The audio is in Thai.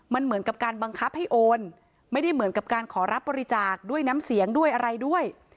มันเหมือนกับการบังคับให้โอนไม่ได้เหมือนกับการขอรับบริจาคด้วยน้ำเสียงด้วยอะไรด้วย